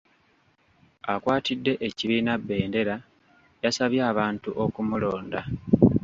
Akwatidde ekibiina bbendera yasabye abantu okumulonda.